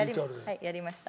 はいやりました。